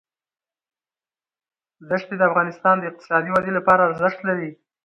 ښتې د افغانستان د اقتصادي ودې لپاره ارزښت لري.